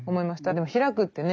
でも開くってね